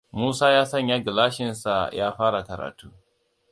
Musa ya sanya gilashinsa ya fara karatu.